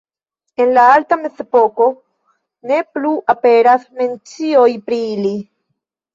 En la Alta Mezepoko ne plu aperas mencioj pri ili.